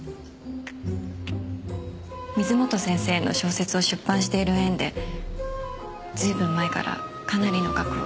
水元先生の小説を出版している縁で随分前からかなりの額を。